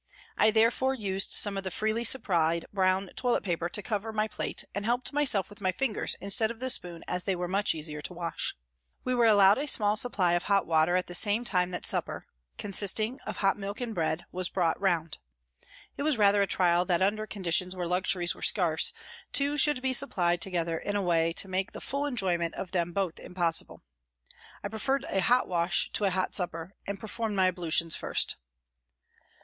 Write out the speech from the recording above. I therefore used some of the freely supplied brown toilet paper to cover my plate and helped myself with my fingers instead of the spoon as they were much easier to wash. We were allowed a 184 PRISONS AND PRISONERS small supply of hot water at the same time that supper, consisting of hot milk and bread, was brought round. It was rather a trial that under conditions where luxuries were scarce, two should be supplied together in a way to make the full enjoyment of them both impossible. I preferred a hot wash to a hot supper and performed my ablutions first.